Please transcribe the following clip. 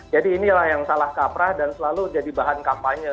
jadi inilah yang salah kaprah dan selalu jadi bahan kampanye